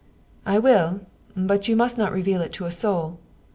" I will, but you must not reveal it to a soul.